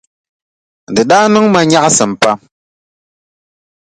Di daa niŋ ma nyaɣisim pam.